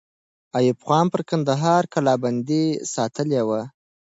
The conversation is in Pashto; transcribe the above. ایوب خان پر کندهار کلابندۍ ساتلې وه.